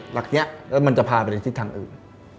หลักนี้แล้วมันจะพาไปในทิศทางอื่น